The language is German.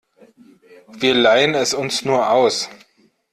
Wir leihen es uns nur aus.